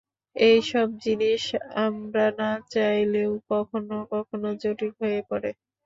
এই সব জিনিষ আমরা না চাইলেও কখনও কখনও জটিল হয়ে পড়ে।